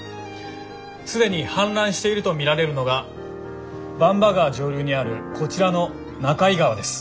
既に氾濫していると見られるのが番場川上流にあるこちらの中居川です。